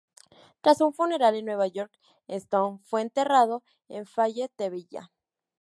Tras un funeral en Nueva York, Stone fue enterrado en Fayetteville.